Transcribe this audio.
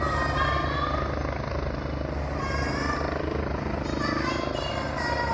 なにがはいってるんだろう？